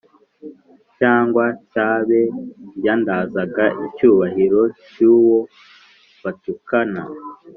cyangwa cy'abe, yandagaza icyubahiro cy'uwo batukana